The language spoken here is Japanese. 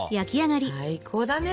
最高だね。